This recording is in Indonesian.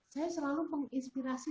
saya selalu menginspirasi